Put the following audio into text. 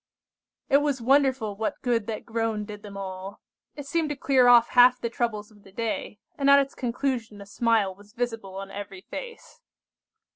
It was wonderful what good that groan did them all! It seemed to clear off half the troubles of the day, and at its conclusion a smile was visible on every face.